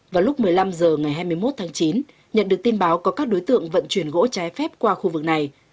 vào lúc một mươi năm h ngày hai mươi một tháng chín nhận được tin báo có các đối tượng vận chuyển gỗ trái phép qua khu vực này